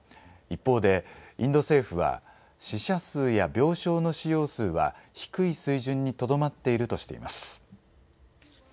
一方で、インド政府は死者数や病床の使用数は低い水準にとどまっているとしています。